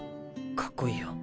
かっこいいよ。